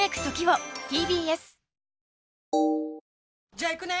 じゃあ行くね！